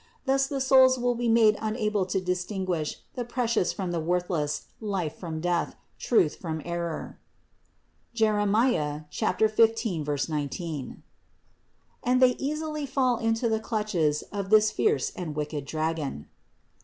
Thus the souls will be made unable to dis tinguish the precious from the worthless, life from death, truth from error (Jer. 15, 19), and they easily fall into the clutches of this fierce and wicked dragon.